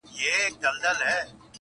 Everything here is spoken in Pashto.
د میوند شهیده مځکه د پردي پلټن مورچل دی؛